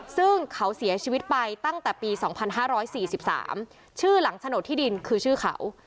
ซึ่งเขาเสียชีวิตไปตั้งแต่ปี๒๕๔๓ชื่อหลังโฉนดที่ดินคือชื่อเขา